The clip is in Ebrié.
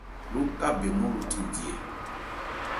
Lókabɛn nɔn lo thandi ɛ ?